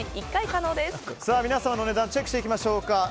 皆さんの値段をチェックしていきましょうか。